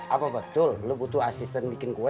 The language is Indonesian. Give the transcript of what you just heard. apa betul lo butuh asisten bikin kue